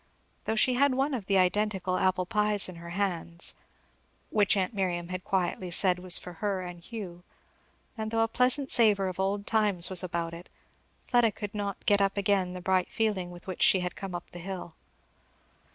Though she had one of the identical apple pies in her hands, which aunt Miriam had quietly said was "for her and Hugh," and though a pleasant savour of old times was about it, Fleda could not get up again the bright feeling with which she had come up the hill.